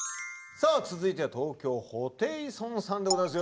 さあ続いては東京ホテイソンさんでございます。